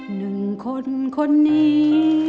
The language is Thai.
หนึ่งคนคนนี้